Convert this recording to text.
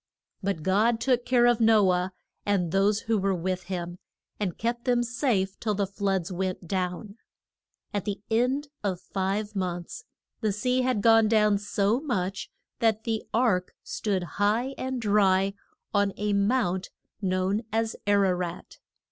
But God took care of No ah, and those who were with him, and kept them safe till the floods went down. At the end of five months the sea had gone down so much that the ark stood high and dry on a mount known as Ar a rat.